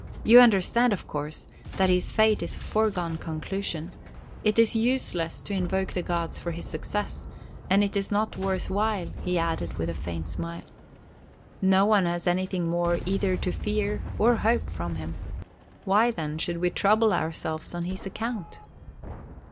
You understand, of course, that his fate is a foregone conclusion. It is useless to invoke the gods for his success, and it is not worth while," he added, with a faint smile. "No one has anything more either to fear or hope from him. Why, then, should we trouble ourselves on his account?"